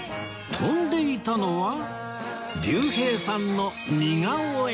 飛んでいたのは竜兵さんの似顔絵